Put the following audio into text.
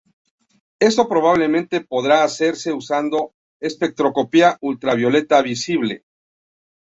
Esto probablemente podrá hacerse usando espectroscopia ultravioleta-visible.